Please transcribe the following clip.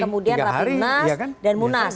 kemudian rapimnas dan munas